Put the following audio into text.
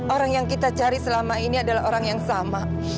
orang yang kita cari selama ini adalah orang yang sama